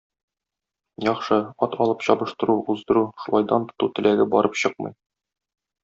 Яхшы, ат алып чабыштыру, уздыру, шулай дан тоту теләге барып чыкмый.